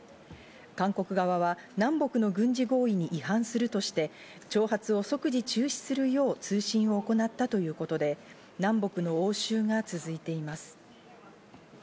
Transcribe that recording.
韓国側は南北の軍事行為に違反するとして、挑発を即時中止するよう通信を行ったということで、南北の応酬が続いています。